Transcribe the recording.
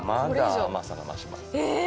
まだ甘さが増します。